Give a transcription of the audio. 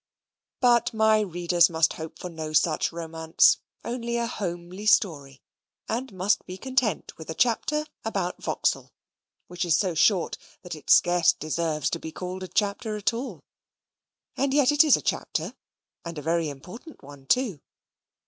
But my readers must hope for no such romance, only a homely story, and must be content with a chapter about Vauxhall, which is so short that it scarce deserves to be called a chapter at all. And yet it is a chapter, and a very important one too.